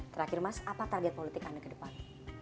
terakhir mas apa target politik anda ke depan